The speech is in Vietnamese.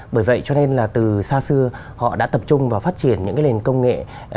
bởi vậy cho nên là từ xa xưa họ đã tập trung vào phát triển những cái nền công nghệ